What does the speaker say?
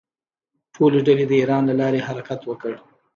ټولې ډلې د ایران له لارې حرکت وکړ.